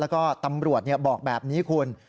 แล้วก็ตำรวจบอกแบบนี้คุณ